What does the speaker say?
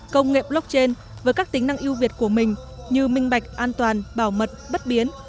công nghệ blockchain với các tính năng yêu việt của mình như minh bạch an toàn bảo mật bất biến